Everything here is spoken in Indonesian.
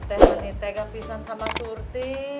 teh gampisan sama surti